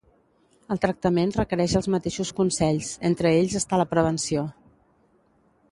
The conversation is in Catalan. El tractament requereix els mateixos consells, entre ells està la prevenció.